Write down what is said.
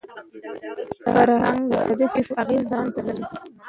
فرهنګ د تاریخي پېښو اغېز ځان سره لري.